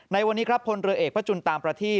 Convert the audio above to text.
ในวันนี้ครับพลเรือเอกพระจุลตามประที